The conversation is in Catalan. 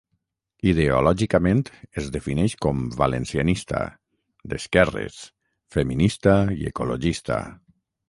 Ideològicament es defineix com valencianista, d'esquerres, feminista i ecologista.